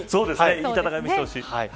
いい戦いを見せてほしい。